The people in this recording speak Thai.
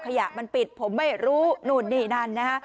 ขยะมันปิดผมไม่รู้นู่นนี่นั่นนะฮะ